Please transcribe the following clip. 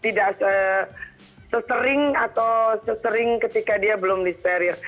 tidak sesering atau sesering ketika dia belum disteril